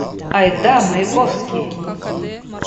Айда, Маяковский!